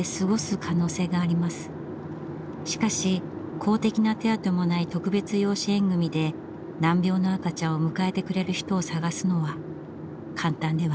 しかし公的な手当もない特別養子縁組で難病の赤ちゃんを迎えてくれる人を探すのは簡単ではありません。